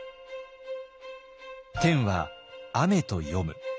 「天」は「アメ」と読む。